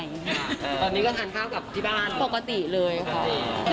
ตอนนี้ก็ทานข้าวกับที่บ้านปกติเลยค่ะ